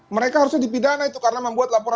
mereka harusnya dipidana itu karena membuatnya tercelah